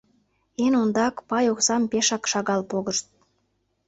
Эн ондак, пай оксам пешак шагал погышт.